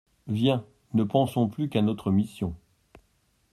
Viens ! ne pensons plus qu'à notre mission.